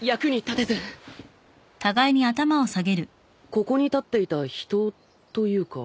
ここに立っていた人というか。